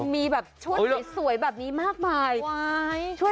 มีแบบชุดสวยแบบนี้มากมาย